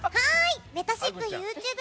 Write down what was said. めたしっぷＹｏｕＴｕｂｅ